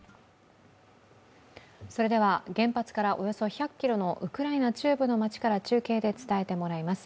それでは、原発からおよそ１００ｋｍのウクライナ中部の町から中継で伝えてもらいます。